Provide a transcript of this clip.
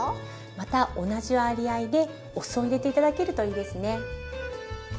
また同じ割合でお酢を入れて頂けるといいですね。